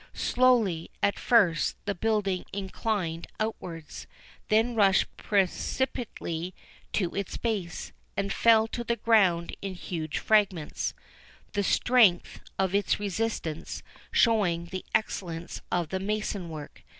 Slowly, at first, the building inclined outwards, then rushed precipitately to its base, and fell to the ground in huge fragments, the strength of its resistance showing the excellence of the mason work.